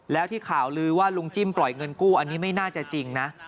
แล้วที่ข่าวลือว่าลุงจิ้มปล่อยเงินกู้อันนี้ไม่น่าจะจริงนะ